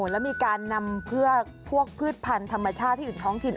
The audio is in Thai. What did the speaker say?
แล้วมีการนำพวกพืชพันธุ์ธรรมชาติที่อยู่ท้องถิ่น